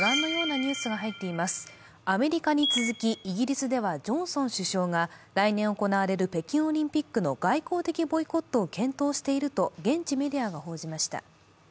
アメリカに続きイギリスではジョンソン首相が来年行われる北京オリンピックの外交的ボイコットを検討していると現地メディアが報じました。